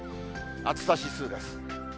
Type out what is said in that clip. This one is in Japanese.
暑さ指数です。